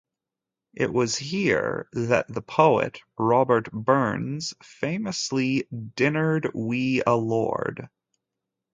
It was here that the poet, Robert Burns, famously "dinner'd wi a lord".